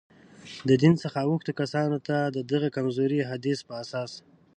له دین څخه اوښتو کسانو ته، د دغه کمزوري حدیث په اساس.